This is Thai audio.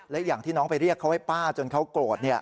และอย่างที่น้องไปเรียกเขาให้ป้าจนเขาโกรธ